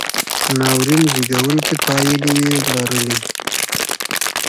ناورین زېږوونکې پایلې یې لرلې.